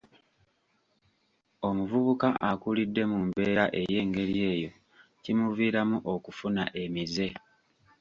Omuvubuka akulidde mu mbeera ey'engeri eyo kimuviiramu okufuna emize.